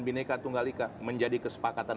bineka tunggal ika menjadi kesepakatan